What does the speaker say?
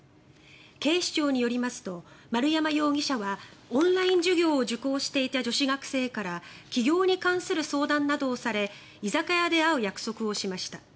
警視庁によりますと丸山容疑者はオンライン授業を受講していた女子学生から起業に関する相談などをされ居酒屋で会う約束をしました。